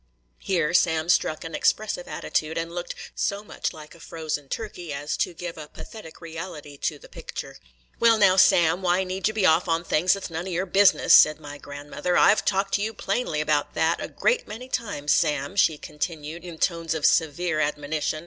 Here Sam struck an expressive attitude, and looked so much like a frozen turkey as to give a pathetic reality to the picture. "Well now, Sam, why need you be off on things that 's none of your business?" said my grandmother. "I 've talked to you plainly about that a great many times, Sam," she continued, in tones of severe admonition.